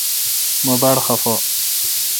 مہ باڑ خفہ۔